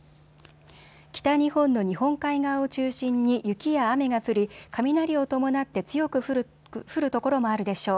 北日本の日本海側を中心に雪や雨が降り雷を伴って強く降る所もあるでしょう。